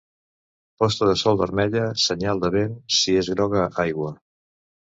Posta de sol vermella, senyal de vent; si és groga, aigua.